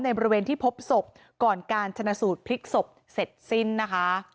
บริเวณที่พบศพก่อนการชนะสูตรพลิกศพเสร็จสิ้นนะคะ